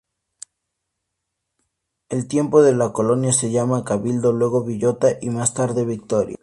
En tiempos de la colonia se llamó Cabildo, luego Villota y más tarde Victoria.